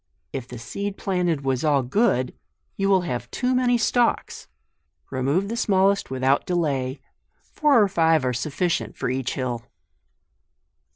If the seed planted was all good, you will have too many stalks ; remove the smallest without delay ; four or five are sufficient for each hill.